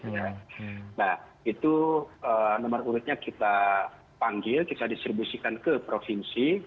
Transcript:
nah itu nomor urutnya kita panggil kita distribusikan ke provinsi